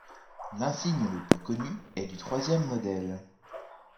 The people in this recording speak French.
L’insigne le plus connu est du troisième modèle.